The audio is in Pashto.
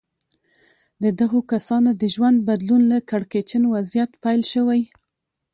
د دغو کسانو د ژوند بدلون له کړکېچن وضعيت پيل شوی.